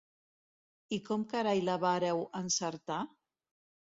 I com carai la vàreu encertar?